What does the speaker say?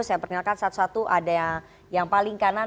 saya perkenalkan satu satu ada yang paling kanan